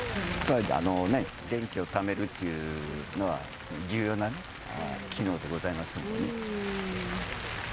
電気をためるっていうのは、重要な機能でございますのでね。